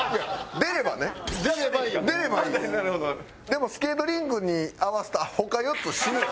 でも「スケートリンク」に合わすと他４つ死ぬよ。